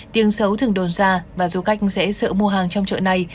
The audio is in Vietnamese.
tiếng xấu thường đồn ra và du khách sẽ sợ mua hàng trong chợ này